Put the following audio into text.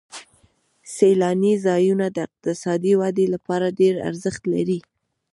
سیلاني ځایونه د اقتصادي ودې لپاره ډېر ارزښت لري.